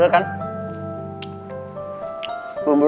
enak banget